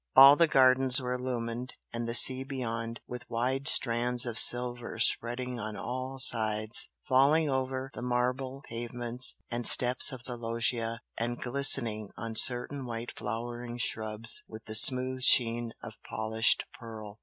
All the gardens were illumined and the sea beyond, with wide strands of silver spreading on all sides, falling over the marble pavements and steps of the loggia and glistening on certain white flowering shrubs with the smooth sheen of polished pearl.